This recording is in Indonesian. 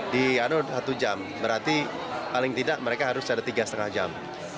di anu satu jam berarti paling tidak mereka harus ada tiga lima jam